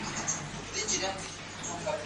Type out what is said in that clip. آيا ليکوالان د ټولني په کچه ليکل کوي؟